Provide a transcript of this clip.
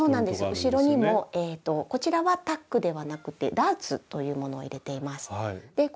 後ろにもこちらはタックではなくてダーツというものを入れています。